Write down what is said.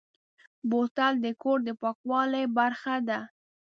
بوتل د کور د پاکوالي برخه ده.